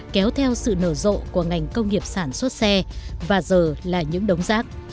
kéo theo sự nở rộ của ngành công nghiệp sản xuất xe và giờ là những đống rác